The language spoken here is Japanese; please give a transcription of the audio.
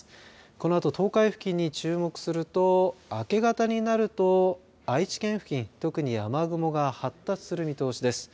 このあと東海付近に注目すると明け方になると愛知県付近、特に雨雲が発達する見通しです。